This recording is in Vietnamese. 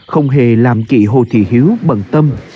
không hề làm chị hồ thị hiếu bận tâm